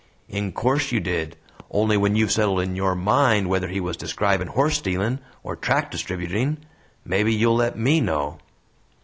"In course you did. Only when you've settled in your MIND whether he was describing horse stealing or tract distributing, mebbe you'll let ME know."